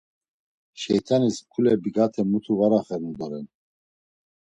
Şeyt̆anis mǩule bigaten mutu var axenu doren.